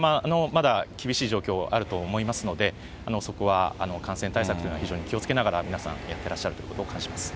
まだ厳しい状況あると思いますので、そこは感染対策というのは非常に気をつけながら、皆さんやってらっしゃるということを感じます。